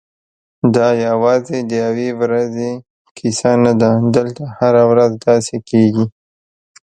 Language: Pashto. دا یوازې د یوې ورځې کیسه نه ده، دلته هره ورځ داسې کېږي.